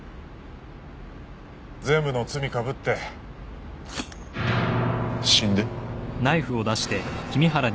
全部の罪かぶって死んで。